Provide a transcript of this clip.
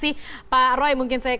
terima kasih yang meminta tulis